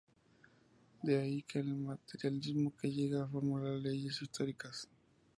De ahí que el materialismo llegue a formular "leyes" históricas.